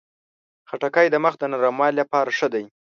خټکی د مخ د نرموالي لپاره ښه دی.